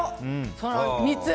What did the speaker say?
その３つ。